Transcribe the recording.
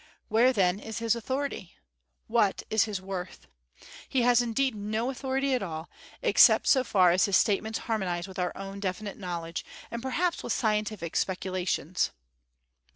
Where, then, is his authority? What is it worth? He has indeed no authority at all, except so far as his statements harmonize with our own definite knowledge, and perhaps with scientific speculations.